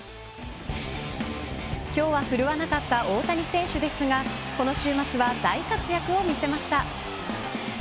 今日は振るわなかった大谷選手ですがこの週末は大活躍を見せました。